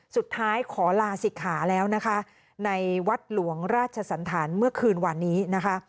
สุดท้ายขอลาศิกขาแล้วนะคะในวัดหลวงราชสันธารเมื่อคืนวานนี้นะคะ